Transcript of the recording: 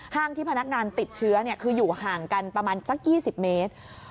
ที่พนักงานติดเชื้อคืออยู่ห่างกันประมาณสัก๒๐เมตร